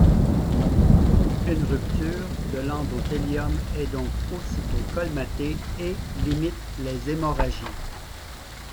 Une rupture de l'endothélium est donc aussitôt colmatée et limite les hémorragies.